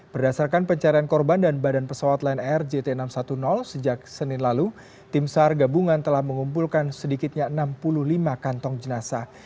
berdasarkan pencarian korban dan badan pesawat lion air jt enam ratus sepuluh sejak senin lalu tim sar gabungan telah mengumpulkan sedikitnya enam puluh lima kantong jenazah